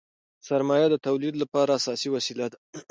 سرمایه د تولید لپاره اساسي وسیله ده.